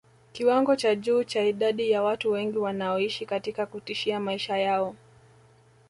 Kiwango cha juu cha idadi ya watu wengi wanaoishi katika kutishia maisha yao